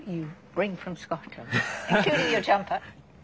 はい。